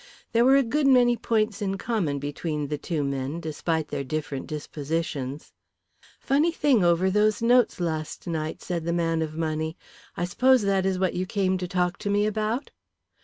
There were a good many points in common between the two men despite their different dispositions. "Funny thing over those notes last night," said the man of money. "I suppose that is what you came to talk to me about."